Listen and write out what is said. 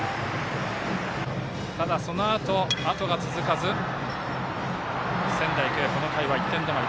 ただそのあと、あとが続かず仙台育英、この回は１点止まり。